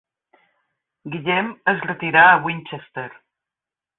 Guillem es retirà a Winchester.